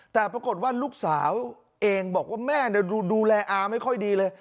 แต่ปรากฏว่าลูกสาวเองบอกว่าแม่ดูแลอาไม่ค่อยดีเลย